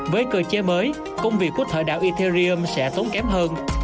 với cơ chế mới công việc quốc thợ đảo ethereum sẽ tốn kém hơn